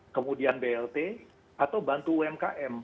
kemudian blt atau bantu umkm